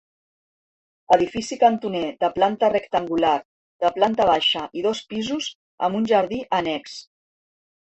Edifici cantoner de planta rectangular, de planta baixa i dos pisos, amb un jardí annex.